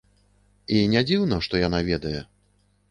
І не дзіўна, што яна ведае.